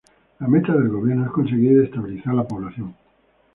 La meta del gobierno es conseguir estabilizar la población.